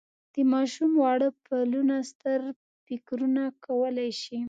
د ماشوم واړه پلونه ستر فکرونه کولای شي.